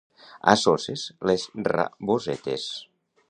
A Soses, les rabosetes.